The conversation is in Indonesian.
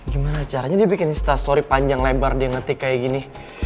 gimana caranya dia bikin instastory panjang lebar dia ngetik kayak gini